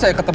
oh ya kan